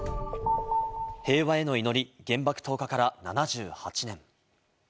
平和への祈り、原爆投下から７８年。